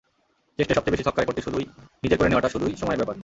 টেস্টে সবচেয়ে বেশি ছক্কার রেকর্ডটি শুধুই নিজের করে নেওয়াটা শুধুই সময়ের ব্যাপার।